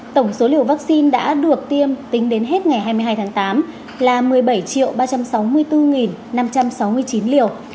tổng số liều vaccine đã được tiêm tính đến hết ngày hai mươi hai tháng tám là một mươi bảy ba trăm sáu mươi bốn năm trăm sáu mươi chín liều